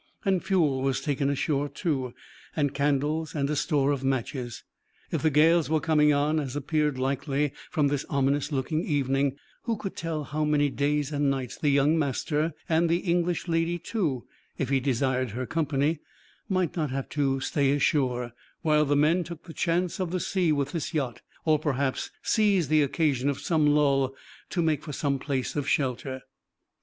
And fuel was taken ashore, too; and candles, and a store of matches. If the gales were coming on, as appeared likely from this ominous looking evening, who could tell how many days and nights the young master and the English lady, too, if he desired her company might not have to stay ashore, while the men took the chance of the sea with this yacht, or perhaps seized the occasion of some lull to make for some place of shelter?